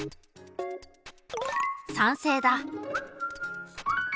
酸性だ。